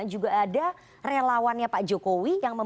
juga ada relawannya pak jokowi